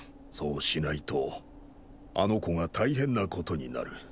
そうしないとあの子が大変な事になる。